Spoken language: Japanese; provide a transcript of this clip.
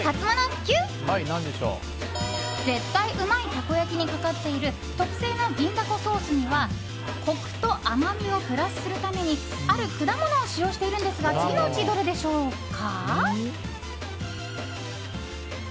たこ焼にかかっている特製の銀だこソースにはコクと甘みをプラスするためにある果物を使用しているのですが次のうちどれでしょうか。